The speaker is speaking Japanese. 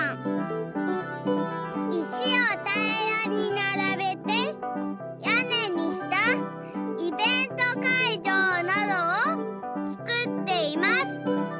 石をたいらにならべてやねにしたイベント会場などをつくっています。